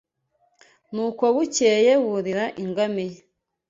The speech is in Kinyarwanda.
Nuko bukeye burira ingamiya